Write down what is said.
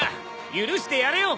許してやれよ。